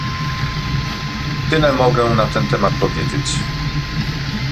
Tyle mogę na ten temat powiedzieć